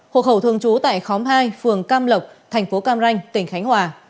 hộ khẩu thường trú tại khóm hai phường cam lộc thành phố cam ranh tỉnh khánh hòa